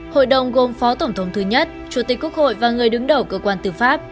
hội đồng gồm phó tổng thống thứ nhất chủ tịch quốc hội và người đứng đầu cơ quan tư pháp